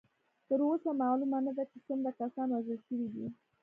تر اوسه معلومه نه ده چې څومره کسان وژل شوي دي.